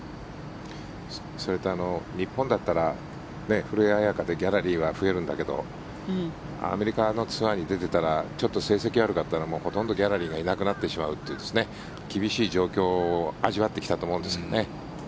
それと日本だったら古江彩佳でギャラリーは増えるんだけどアメリカのツアーに出ていたらちょっと成績悪かったらほとんどギャラリーがいなくなってしまうという厳しい状況を味わってきたと思うんですけどね。